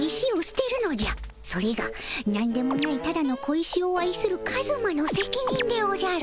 それがなんでもないただの小石を愛するカズマのせきにんでおじゃる。